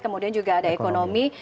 kemudian juga ada ekonomi